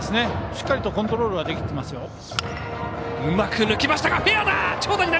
しっかりとコントロールはできていますよ。